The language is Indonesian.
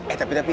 eh tapi tapi